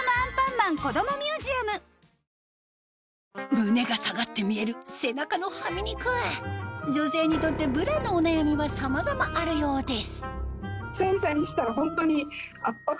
胸が下がって見える背中のはみ肉女性にとってブラのお悩みはさまざまあるようです